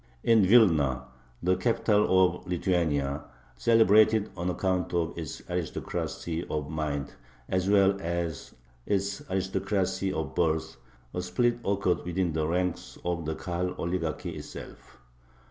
In Vilna, the capital of Lithuania, celebrated on account of its aristocracy of mind as well as its aristocracy of birth, a split occurred within the ranks of the Kahal oligarchy itself.